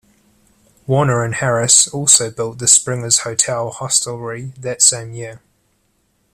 Warner and Harris also built the Springer's Hotel hostelry that same year.